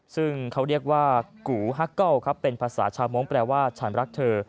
ซึ่งเขาเรียกว่ากูฮักเกิลครับเป็นภาษาชาวมงค์แปลว่าฉันรักเธอ